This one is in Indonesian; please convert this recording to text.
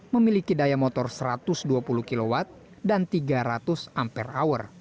memiliki daya motor satu ratus dua puluh kw dan tiga ratus ampere hour